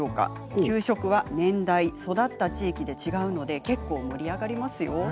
給食は年代、育った地域で違うので結構盛り上がりますよ。